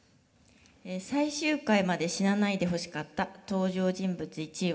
「最終回まで死なないでほしかった登場人物１位は」。